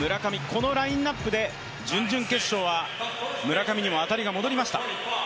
このラインナップで準々決勝では村上にも当たりが戻りました。